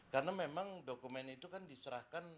karena memang dokumen itu kan diserahkan